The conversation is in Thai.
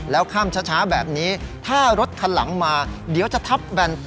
แล้วข้ามช้าแบบนี้ถ้ารถคันหลังมาเดี๋ยวจะทับแบนต่อ